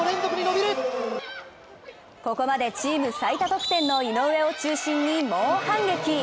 ここまでチーム最多得点の井上を中心に猛反撃。